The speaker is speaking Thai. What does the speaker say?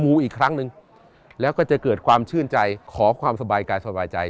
อีกครั้งหนึ่งแล้วก็จะเกิดความชื่นใจขอความสบายกายสบายใจ